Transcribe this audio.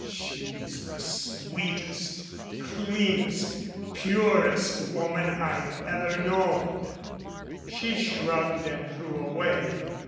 "She's the sweetest, cleanest, purest woman I've ever known." She shrugged and drew away.